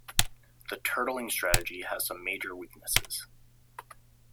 The turtling strategy has some major weaknesses.